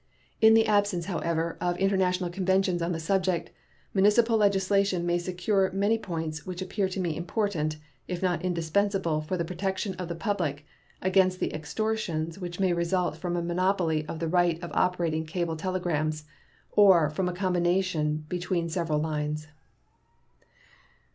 In the absence, however, of international conventions on the subject, municipal legislation may secure many points which appear to me important, if not indispensable for the protection of the public against the extortions which may result from a monopoly of the right of operating cable telegrams or from a combination between several lines: I.